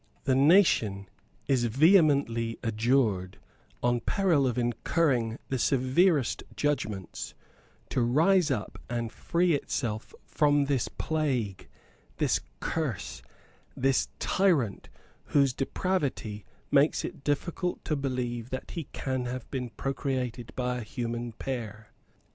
The nation is vehemently adjured, on peril of incurring the severest judgments, to rise up and free itself from this plague, this curse, this tyrant, whose depravity makes it difficult to believe that he can have been procreated by a human pair.